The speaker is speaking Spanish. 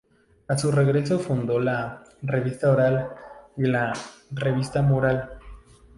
A su regresó fundó la "Revista Oral" y la "Revista Mural".